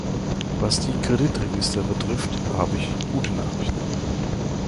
Was die Kreditregister betrifft, habe ich gute Nachrichten.